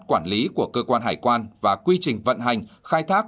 quản lý của cơ quan hải quan và quy trình vận hành khai thác